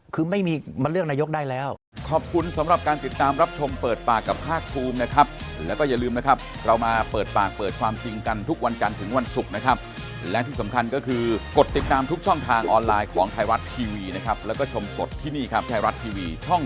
คือไม่มีมาเลือกนายกได้แล้ว